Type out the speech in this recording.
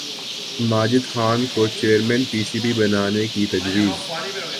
ماجد خان کو chairman P C B بنانے کی تجویز